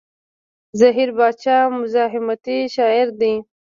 زهير باچا مزاحمتي شاعر دی.